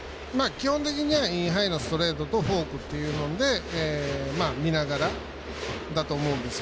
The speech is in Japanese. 基本的にはインハイのストレートとフォークというので見ながらだと思うんです。